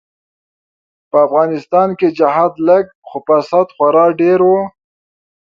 به افغانستان کی جهاد لږ خو فساد خورا ډیر وو.